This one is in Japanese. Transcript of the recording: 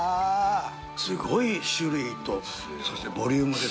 すごい種類とそしてボリュームですよ。